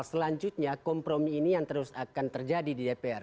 selanjutnya kompromi ini yang terus akan terjadi di dpr